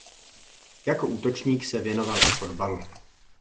Jako útočník se věnoval i fotbalu.